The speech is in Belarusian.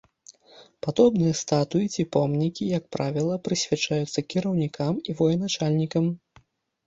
Падобныя статуі ці помнікі, як правіла, прысвячаюцца кіраўнікам і военачальнікам.